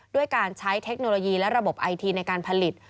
ด้วยการใช้เทคโนโลยีและระบบไอทีในการผลิต